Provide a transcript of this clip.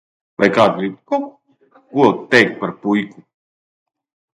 Vai kāds grib ko teikt par puiku?